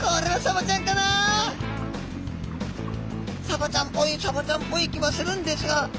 サバちゃんっぽいサバちゃんっぽい気はするんですが。